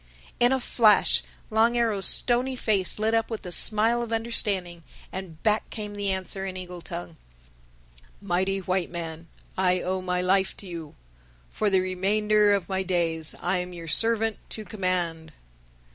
In a flash Long Arrow's stony face lit up with a smile of understanding; and back came the answer in eagle tongue, "Mighty White Man, I owe my life to you. For the remainder of my days I am your servant to command."